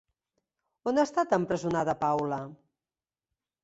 On ha estat empresonada Paula?